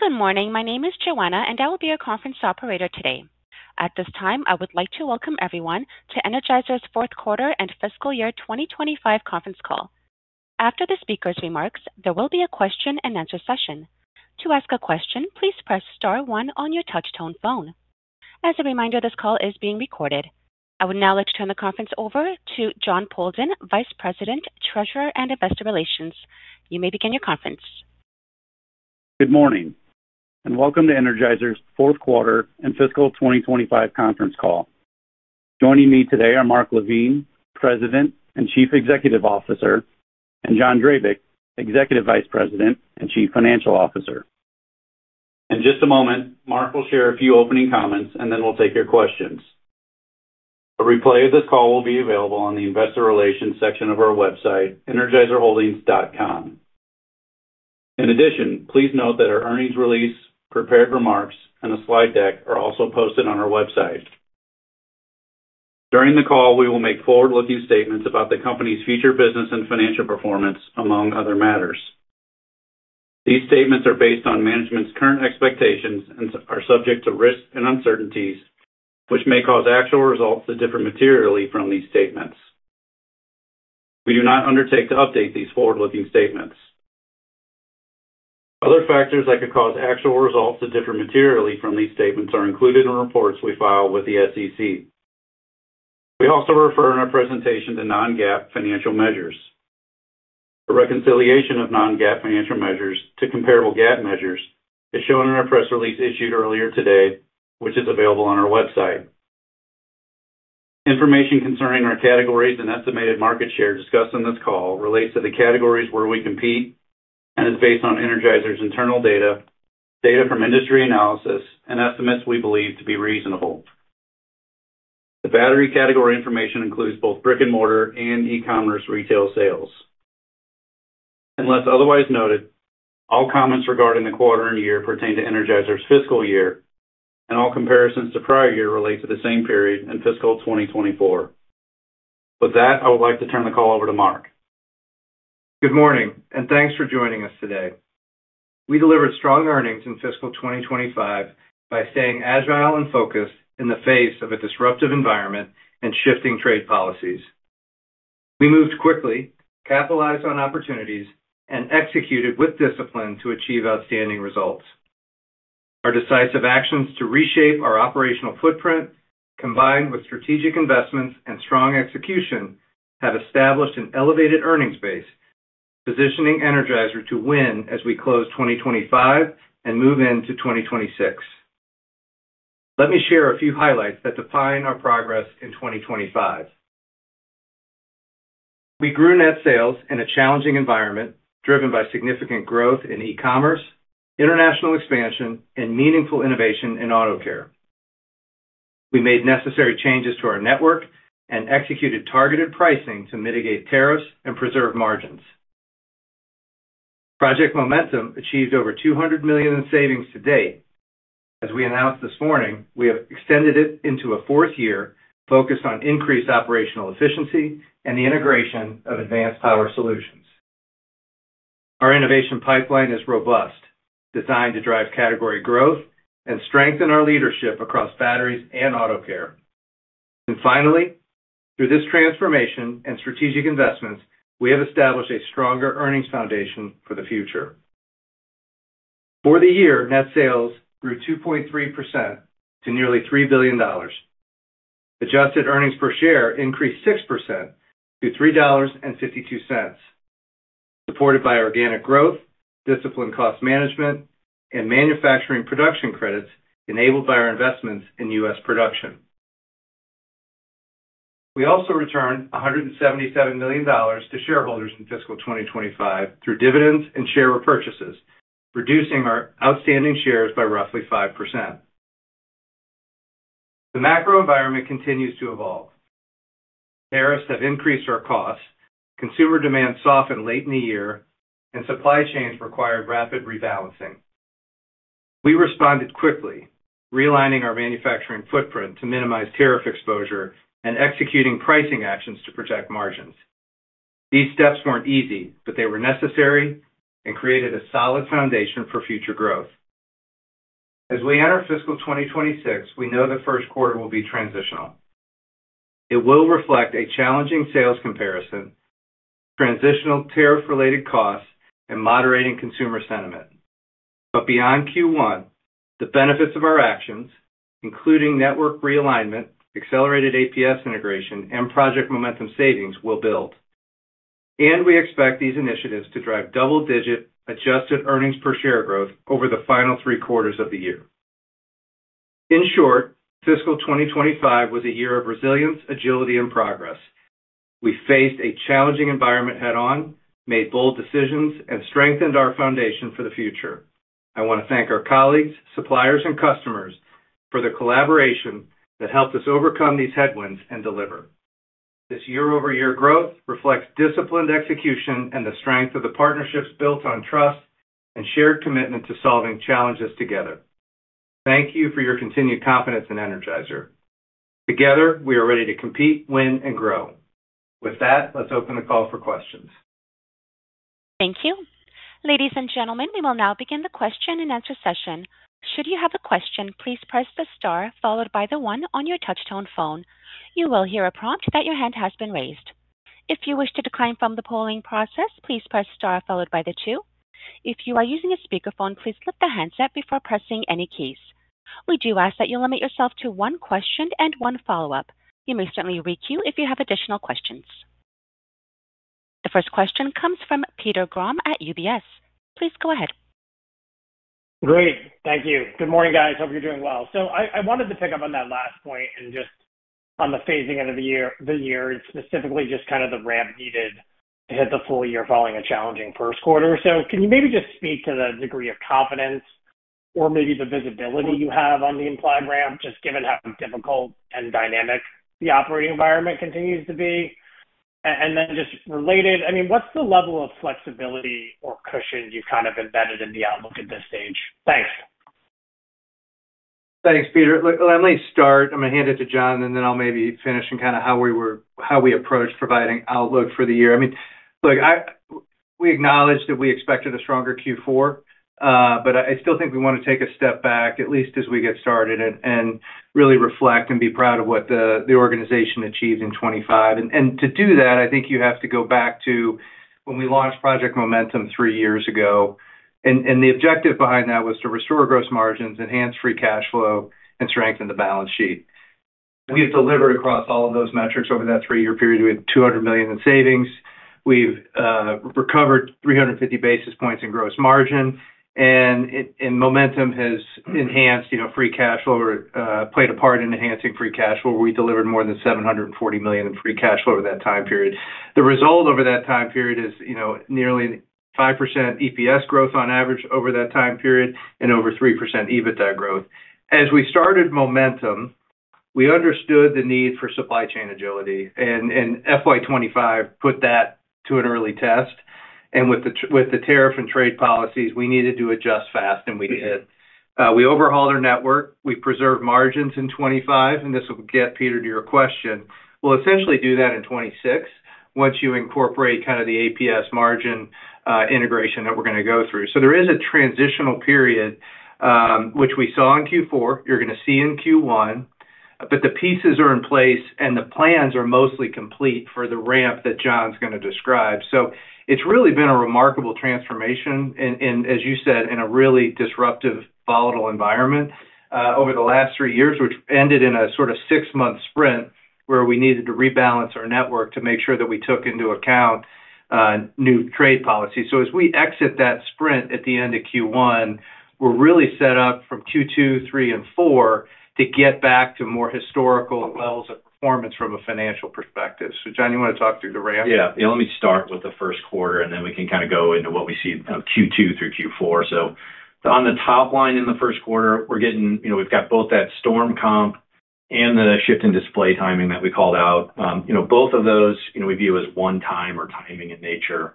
Good morning. My name is Joanna, and I will be your conference operator today. At this time, I would like to welcome everyone to Energizer's Fourth Quarter and Fiscal Year 2025 conference call. After the speaker's remarks, there will be a question-and-answer session. To ask a question, please press star one on your touch-tone phone. As a reminder, this call is being recorded. I would now like to turn the conference over to Jon Poldan, Vice President, Treasurer and Investor Relations. You may begin your conference. Good morning, and welcome to Energizer's Fourth Quarter and Fiscal 2025 conference call. Joining me today are Mark LaVigne, President and Chief Executive Officer, and John Drabik, Executive Vice President and Chief Financial Officer. In just a moment, Mark will share a few opening comments, and then we'll take your questions. A replay of this call will be available on the Investor Relations section of our website, energizerholdings.com. In addition, please note that our earnings release, prepared remarks, and a slide deck are also posted on our website. During the call, we will make forward-looking statements about the company's future business and financial performance, among other matters. These statements are based on management's current expectations and are subject to risks and uncertainties, which may cause actual results that differ materially from these statements. We do not undertake to update these forward-looking statements. Other factors that could cause actual results that differ materially from these statements are included in reports we file with the SEC. We also refer in our presentation to non-GAAP financial measures. The reconciliation of non-GAAP financial measures to comparable GAAP measures is shown in our press release issued earlier today, which is available on our website. Information concerning our categories and estimated market share discussed in this call relates to the categories where we compete and is based on Energizer's internal data, data from industry analysis, and estimates we believe to be reasonable. The battery category information includes both brick-and-mortar and e-commerce retail sales. Unless otherwise noted, all comments regarding the quarter and year pertain to Energizer's fiscal year, and all comparisons to prior year relate to the same period and fiscal 2024. With that, I would like to turn the call over to Mark. Good morning, and thanks for joining us today. We delivered strong earnings in fiscal 2025 by staying agile and focused in the face of a disruptive environment and shifting trade policies. We moved quickly, capitalized on opportunities, and executed with discipline to achieve outstanding results. Our decisive actions to reshape our operational footprint, combined with strategic investments and strong execution, have established an elevated earnings base, positioning Energizer to win as we close 2025 and move into 2026. Let me share a few highlights that define our progress in 2025. We grew net sales in a challenging environment driven by significant growth in e-commerce, international expansion, and meaningful innovation in auto care. We made necessary changes to our network and executed targeted pricing to mitigate tariffs and preserve margins. Project Momentum achieved over $200 million in savings to date. As we announced this morning, we have extended it into a fourth year focused on increased operational efficiency and the integration of Advanced Power Solutions. Our innovation pipeline is robust, designed to drive category growth and strengthen our leadership across batteries and auto care. Finally, through this transformation and strategic investments, we have established a stronger earnings foundation for the future. For the year, net sales grew 2.3% to nearly $3 billion. Adjusted earnings per share increased 6% to $3.52, supported by organic growth, disciplined cost management, and manufacturing production credits enabled by our investments in U.S. production. We also returned $177 million to shareholders in fiscal 2025 through dividends and share repurchases, reducing our outstanding shares by roughly 5%. The macro environment continues to evolve. Tariffs have increased our costs, consumer demand softened late in the year, and supply chains required rapid rebalancing. We responded quickly, realigning our manufacturing footprint to minimize tariff exposure and executing pricing actions to protect margins. These steps were not easy, but they were necessary and created a solid foundation for future growth. As we enter fiscal 2026, we know the first quarter will be transitional. It will reflect a challenging sales comparison, transitional tariff-related costs, and moderating consumer sentiment. Beyond Q1, the benefits of our actions, including network realignment, accelerated APS integration, and Project Momentum savings, will build. We expect these initiatives to drive double-digit adjusted earnings per share growth over the final three quarters of the year. In short, fiscal 2025 was a year of resilience, agility, and progress. We faced a challenging environment head-on, made bold decisions, and strengthened our foundation for the future. I want to thank our colleagues, suppliers, and customers for the collaboration that helped us overcome these headwinds and deliver. This year-over-year growth reflects disciplined execution and the strength of the partnerships built on trust and shared commitment to solving challenges together. Thank you for your continued confidence in Energizer. Together, we are ready to compete, win, and grow. With that, let's open the call for questions. Thank you. Ladies and gentlemen, we will now begin the question-and-answer session. Should you have a question, please press the star followed by the one on your touch-tone phone. You will hear a prompt that your hand has been raised. If you wish to decline from the polling process, please press star followed by the two. If you are using a speakerphone, please lift the handset before pressing any keys. We do ask that you limit yourself to one question and one follow-up. You may certainly re-queue if you have additional questions. The first question comes from Peter Grom at UBS. Please go ahead. Great. Thank you. Good morning, guys. Hope you're doing well. I wanted to pick up on that last point and just on the phasing into the year and specifically just kind of the ramp needed to hit the full year following a challenging first quarter. Can you maybe just speak to the degree of confidence or maybe the visibility you have on the implied ramp, just given how difficult and dynamic the operating environment continues to be? Then just related, I mean, what's the level of flexibility or cushion you've kind of embedded in the outlook at this stage? Thanks. Thanks, Peter. Let me start. I'm going to hand it to John, and then I'll maybe finish on kind of how we approach providing outlook for the year. I mean, look, we acknowledge that we expected a stronger Q4, but I still think we want to take a step back, at least as we get started, and really reflect and be proud of what the organization achieved in 2025. To do that, I think you have to go back to when we launched Project Momentum three years ago. The objective behind that was to restore gross margins, enhance free cash flow, and strengthen the balance sheet. We have delivered across all of those metrics over that three-year period. We have $200 million in savings. We've recovered 350 basis points in gross margin. Momentum has enhanced free cash flow or played a part in enhancing free cash flow. We delivered more than $740 million in free cash flow over that time period. The result over that time period is nearly 5% EPS growth on average over that time period and over 3% EBITDA growth. As we started momentum, we understood the need for supply chain agility, and fiscal year 2025 put that to an early test. With the tariff and trade policies, we needed to adjust fast, and we did. We overhauled our network. We preserved margins in 2025, and this will get, Peter, to your question. We will essentially do that in 2026 once you incorporate kind of the APS margin integration that we are going to go through. There is a transitional period, which we saw in Q4. You are going to see in Q1, but the pieces are in place, and the plans are mostly complete for the ramp that John is going to describe. It has really been a remarkable transformation, and as you said, in a really disruptive, volatile environment over the last three years, which ended in a sort of six-month sprint where we needed to rebalance our network to make sure that we took into account new trade policies. As we exit that sprint at the end of Q1, we are really set up from Q2, three, and four to get back to more historical levels of performance from a financial perspective. John, you want to talk through the ramp? Yeah. Yeah, let me start with the first quarter, and then we can kind of go into what we see in Q2 through Q4. On the top line in the first quarter, we've got both that storm comp and the shift in display timing that we called out. Both of those we view as one-time or timing in nature.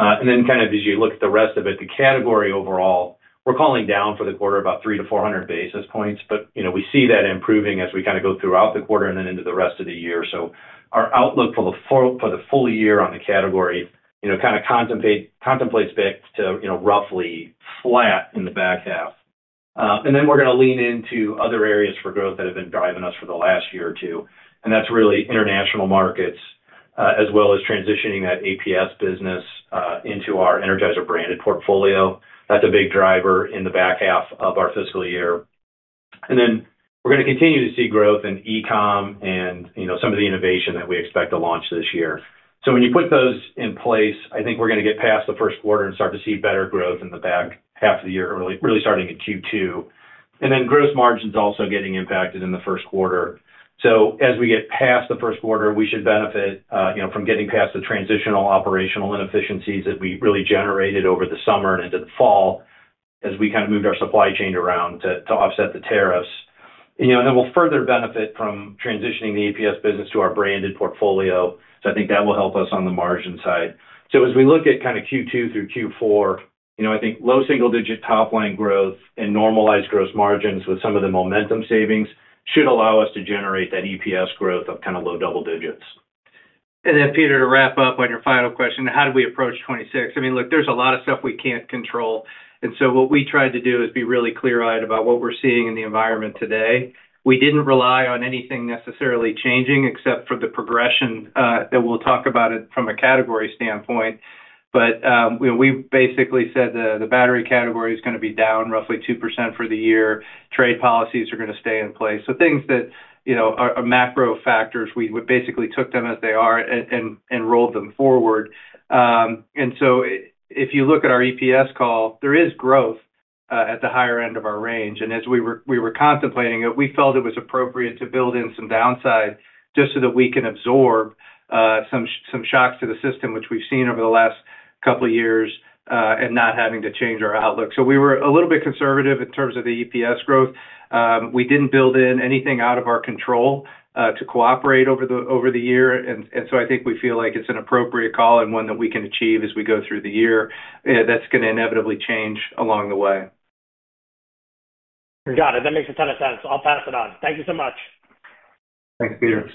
As you look at the rest of it, the category overall, we're calling down for the quarter about 300-400 basis points, but we see that improving as we go throughout the quarter and then into the rest of the year. Our outlook for the full year on the category contemplates back to roughly flat in the back half. We're going to lean into other areas for growth that have been driving us for the last year or two. That's really international markets, as well as transitioning that APS business into our Energizer branded portfolio. That's a big driver in the back half of our fiscal year. We're going to continue to see growth in e-com and some of the innovation that we expect to launch this year. When you put those in place, I think we're going to get past the first quarter and start to see better growth in the back half of the year, really starting in Q2. Gross margins are also getting impacted in the first quarter. As we get past the first quarter, we should benefit from getting past the transitional operational inefficiencies that we really generated over the summer and into the fall as we kind of moved our supply chain around to offset the tariffs. Then we will further benefit from transitioning the APS business to our branded portfolio. I think that will help us on the margin side. As we look at kind of Q2 through Q4, I think low single-digit top-line growth and normalized gross margins with some of the momentum savings should allow us to generate that EPS growth of kind of low double digits. Peter, to wrap up on your final question, how do we approach 2026? I mean, look, there is a lot of stuff we cannot control. What we tried to do is be really clear-eyed about what we are seeing in the environment today. We did not rely on anything necessarily changing except for the progression that we will talk about from a category standpoint. We basically said the battery category is going to be down roughly 2% for the year. Trade policies are going to stay in place. Things that are macro factors, we basically took them as they are and rolled them forward. If you look at our EPS call, there is growth at the higher end of our range. As we were contemplating it, we felt it was appropriate to build in some downside just so that we can absorb some shocks to the system, which we've seen over the last couple of years, and not having to change our outlook. We were a little bit conservative in terms of the EPS growth. We didn't build in anything out of our control to cooperate over the year. I think we feel like it's an appropriate call and one that we can achieve as we go through the year that's going to inevitably change along the way. Got it. That makes a ton of sense. I'll pass it on. Thank you so much. Thanks, Peter.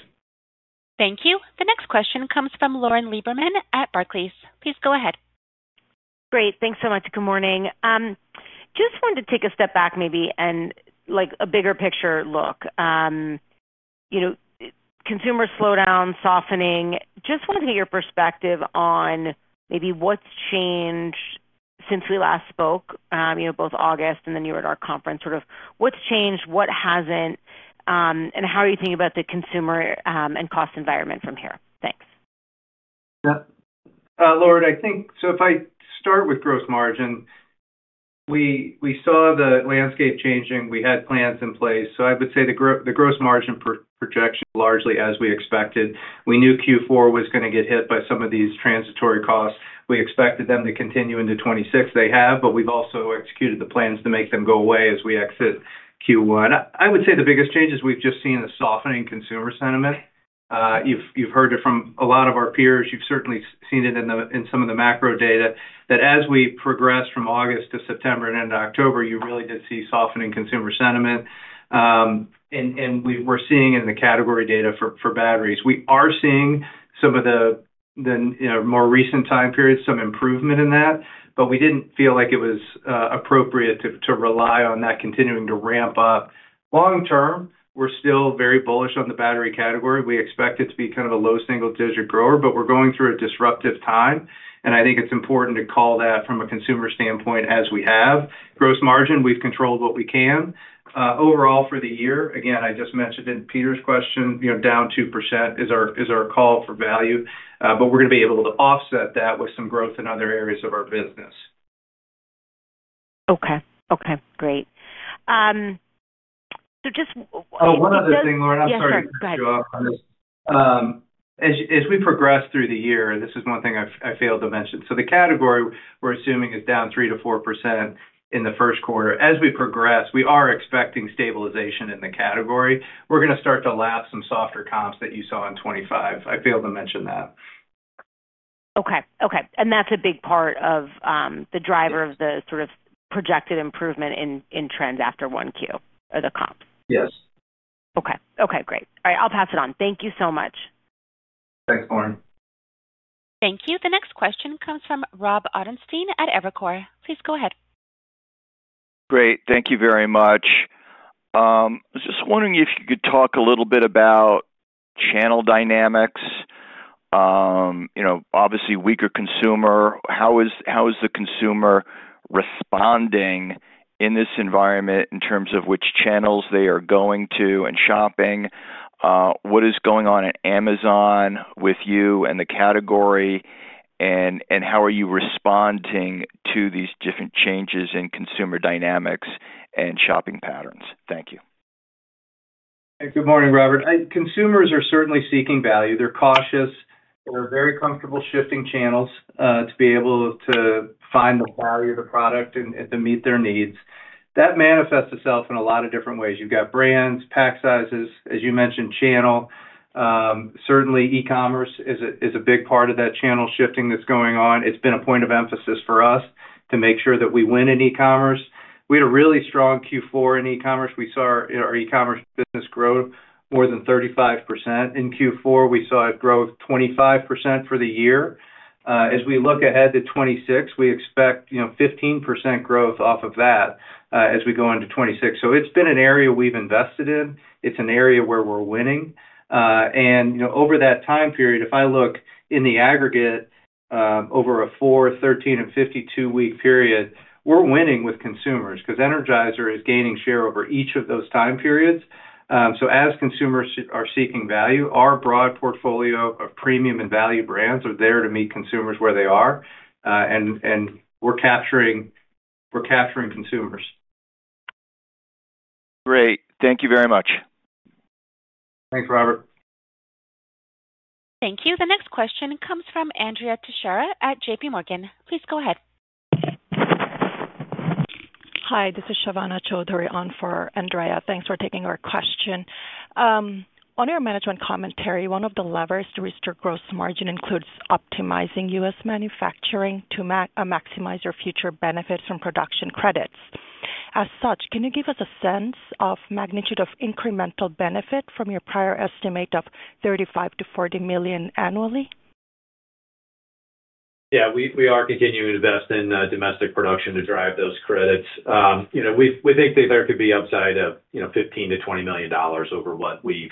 Thank you. The next question comes from Lauren Lieberman at Barclays. Please go ahead. Great. Thanks so much. Good morning. Just wanted to take a step back maybe and a bigger picture look. Consumer slowdown, softening. Just wanted to get your perspective on maybe what's changed since we last spoke, both August and then you were at our conference. Sort of what's changed, what hasn't, and how are you thinking about the consumer and cost environment from here? Thanks. Yeah. Lauren, I think so if I start with gross margin, we saw the landscape changing. We had plans in place. So I would say the gross margin projection largely as we expected. We knew Q4 was going to get hit by some of these transitory costs. We expected them to continue into 2026. They have, but we've also executed the plans to make them go away as we exit Q1. I would say the biggest changes we've just seen is softening consumer sentiment. You've heard it from a lot of our peers. You've certainly seen it in some of the macro data that as we progressed from August to September and into October, you really did see softening consumer sentiment. And we're seeing in the category data for batteries. We are seeing some of the more recent time periods, some improvement in that, but we did not feel like it was appropriate to rely on that continuing to ramp up. Long-term, we are still very bullish on the battery category. We expect it to be kind of a low single-digit grower, but we are going through a disruptive time. I think it is important to call that from a consumer standpoint as we have. Gross margin, we have controlled what we can. Overall for the year, again, I just mentioned in Peter's question, down 2% is our call for value, but we are going to be able to offset that with some growth in other areas of our business. Okay. Great. So just. Oh, one other thing, Lauren. I'm sorry to cut you off on this. As we progress through the year, this is one thing I failed to mention. The category we're assuming is down 3%-4% in the first quarter. As we progress, we are expecting stabilization in the category. We're going to start to lap some softer comps that you saw in 2025. I failed to mention that. Okay. Okay. That is a big part of the driver of the sort of projected improvement in trends after one Q or the comps. Yes. Okay. Okay. Great. All right. I'll pass it on. Thank you so much. Thanks, Lauren. Thank you. The next question comes from Rob Ottenstein at Evercore. Please go ahead. Great. Thank you very much. I was just wondering if you could talk a little bit about Channel Dynamics. Obviously, weaker consumer. How is the consumer responding in this environment in terms of which channels they are going to and shopping? What is going on at Amazon with you and the category? And how are you responding to these different changes in consumer dynamics and shopping patterns? Thank you. Good morning, Robert. Consumers are certainly seeking value. They're cautious. They're very comfortable shifting channels to be able to find the value of the product and to meet their needs. That manifests itself in a lot of different ways. You've got brands, pack sizes, as you mentioned, channel. Certainly, E-commerce is a big part of that channel shifting that's going on. It's been a point of emphasis for us to make sure that we win in E-commerce. We had a really strong Q4 in E-commerce. We saw our E-commerce business grow more than 35% in Q4. We saw it grow 25% for the year. As we look ahead to 2026, we expect 15% growth off of that as we go into 2026. It has been an area we've invested in. It's an area where we're winning. Over that time period, if I look in the aggregate over a 4, 13, and 52-week period, we're winning with consumers because Energizer is gaining share over each of those time periods. As consumers are seeking value, our broad portfolio of premium and value brands are there to meet consumers where they are. We're capturing consumers. Great. Thank you very much. Thanks, Robert. Thank you. The next question comes from Andrea Teixeira at JPMorgan. Please go ahead. Hi. This is Shovana Chowdhury on for Andrea. Thanks for taking our question. On your management commentary, one of the levers to restore gross margin includes optimizing U.S. manufacturing to maximize your future benefits from production credits. As such, can you give us a sense of magnitude of incremental benefit from your prior estimate of $35 million-$40 million annually? Yeah. We are continuing to invest in domestic production to drive those credits. We think there could be upside of $15 million-$20 million over what we've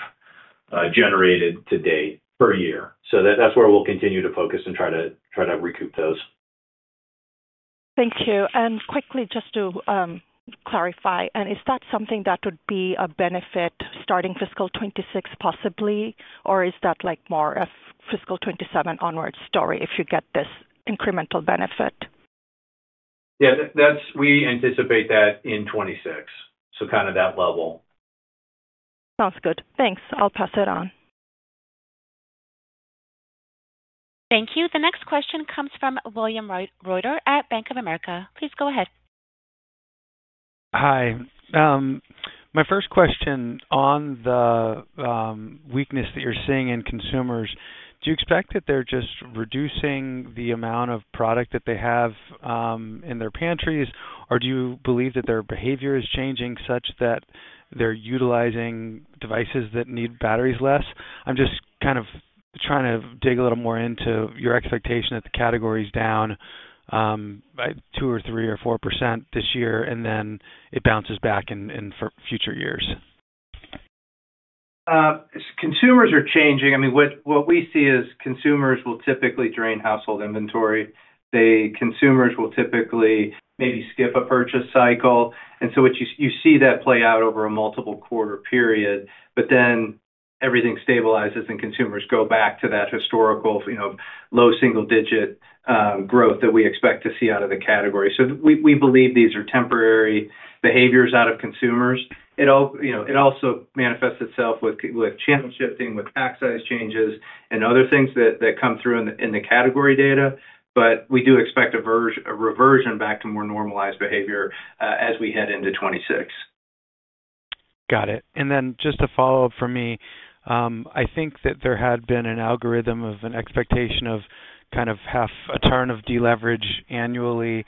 generated to date per year. That's where we'll continue to focus and try to recoup those. Thank you. Just to clarify, is that something that would be a benefit starting fiscal 2026 possibly, or is that more a fiscal 2027 onward story if you get this incremental benefit? Yeah. We anticipate that in 2026. Kind of that level. Sounds good. Thanks. I'll pass it on. Thank you. The next question comes from William Reuter at Bank of America. Please go ahead. Hi. My first question on the weakness that you're seeing in consumers, do you expect that they're just reducing the amount of product that they have in their pantries, or do you believe that their behavior is changing such that they're utilizing devices that need batteries less? I'm just kind of trying to dig a little more into your expectation that the category is down by 2% or 3% or 4% this year, and then it bounces back in future years. Consumers are changing. I mean, what we see is consumers will typically drain household inventory. Consumers will typically maybe skip a purchase cycle. You see that play out over a multiple quarter period, but then everything stabilizes and consumers go back to that historical low single-digit growth that we expect to see out of the category. We believe these are temporary behaviors out of consumers. It also manifests itself with channel shifting, with pack size changes, and other things that come through in the category data. We do expect a reversion back to more normalized behavior as we head into 2026. Got it. Then just a follow-up from me. I think that there had been an algorithm of an expectation of kind of half a turn of deleverage annually.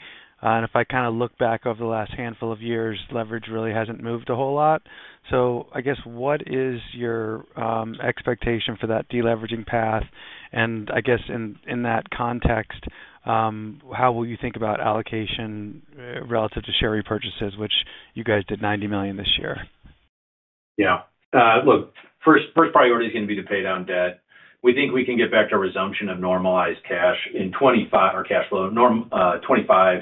If I kind of look back over the last handful of years, leverage really has not moved a whole lot. I guess what is your expectation for that deleveraging path? I guess in that context, how will you think about allocation relative to share repurchases, which you guys did $90 million this year? Yeah. Look, first priority is going to be to pay down debt. We think we can get back to resumption of normalized cash in 2025. Our cash flow in 2025,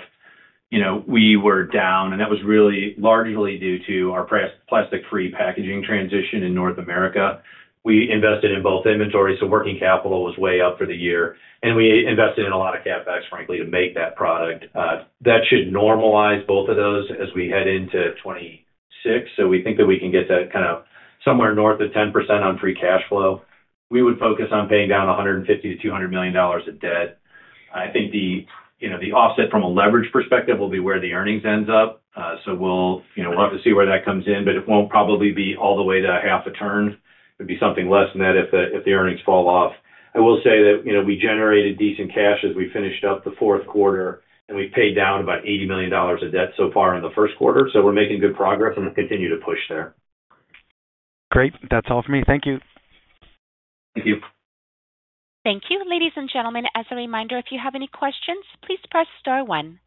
we were down, and that was really largely due to our plastic-free packaging transition in North America. We invested in both inventory, so working capital was way up for the year. We invested in a lot of CapEx, frankly, to make that product. That should normalize both of those as we head into 2026. We think that we can get that kind of somewhere north of 10% on free cash flow. We would focus on paying down $150-$200 million of debt. I think the offset from a leverage perspective will be where the earnings ends up. We'll have to see where that comes in, but it probably will not be all the way to half a turn. It would be something less than that if the earnings fall off. I will say that we generated decent cash as we finished up the fourth quarter, and we have paid down about $80 million of debt so far in the first quarter. We are making good progress, and we will continue to push there. Great. That's all for me. Thank you. Thank you. Thank you. Ladies and gentlemen, as a reminder, if you have any questions, please press star one.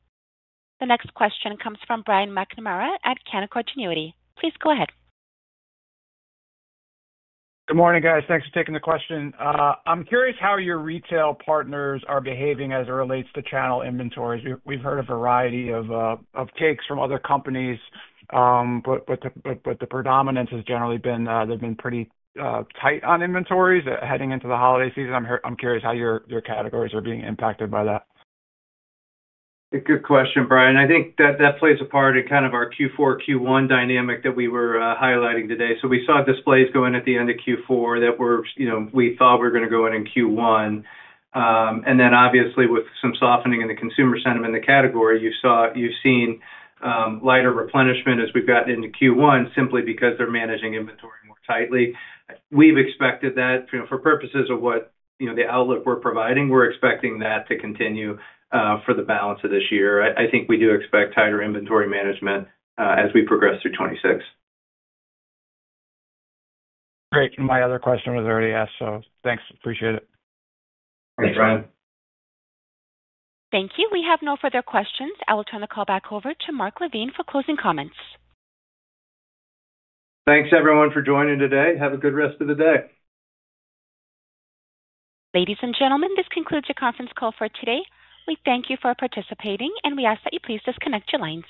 The next question comes from Brian McNamara at Canaccord Genuity. Please go ahead. Good morning, guys. Thanks for taking the question. I'm curious how your retail partners are behaving as it relates to channel inventories. We've heard a variety of takes from other companies, but the predominance has generally been they've been pretty tight on inventories heading into the holiday season. I'm curious how your categories are being impacted by that. Good question, Brian. I think that plays a part in kind of our Q4, Q1 dynamic that we were highlighting today. We saw displays go in at the end of Q4 that we thought were going to go in in Q1. Obviously, with some softening in the consumer sentiment in the category, you've seen lighter replenishment as we've gotten into Q1 simply because they're managing inventory more tightly. We've expected that for purposes of what the outlook we're providing, we're expecting that to continue for the balance of this year. I think we do expect tighter inventory management as we progress through 2026. Great. My other question was already asked, so thanks. Appreciate it. Thanks, Brian. Thank you. We have no further questions. I will turn the call back over to Mark LaVigne for closing comments. Thanks, everyone, for joining today. Have a good rest of the day. Ladies and gentlemen, this concludes your conference call for today. We thank you for participating, and we ask that you please disconnect your lines.